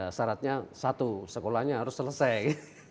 ya saratnya satu sekolahnya harus selesai